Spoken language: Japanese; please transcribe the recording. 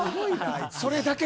それだけは。